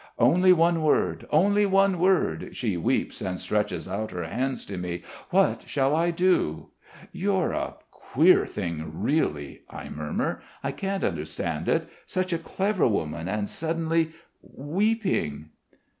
"Only one word, only one word," she weeps and stretches out her hands to me. "What shall I do?" "You're a queer thing, really....", I murmur. "I can't understand it. Such a clever woman and suddenly weeping...."